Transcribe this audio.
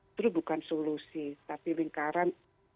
itu bukan solusi tapi lingkaran